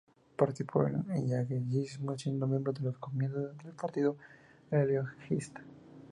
Participó del galleguismo, siendo miembro desde los comienzos del Partido Galeguista.